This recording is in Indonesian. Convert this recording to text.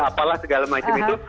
apalah segala macam itu